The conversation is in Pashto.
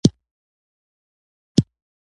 کوږ فکر تل خپګان لري